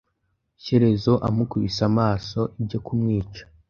Shyerezo amukubise amaso, ibyo kumwica